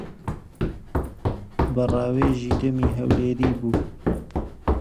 بە ڕاوێژی دەمی هەولێری بوو.